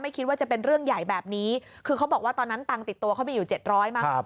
คิดว่าจะเป็นเรื่องใหญ่แบบนี้คือเขาบอกว่าตอนนั้นตังค์ติดตัวเขามีอยู่เจ็ดร้อยมั้ง